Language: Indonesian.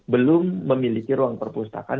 belum memiliki ruang perpustakaan